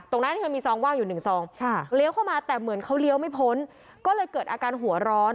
ตรงนั้นเธอมีซองว่างอยู่หนึ่งซองเลี้ยวเข้ามาแต่เหมือนเขาเลี้ยวไม่พ้นก็เลยเกิดอาการหัวร้อน